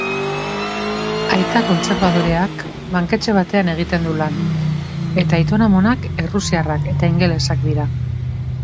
Aita kontserbadoreak banketxe batean egiten du lan eta aiton-amonak errusiarrak eta ingelesak dira.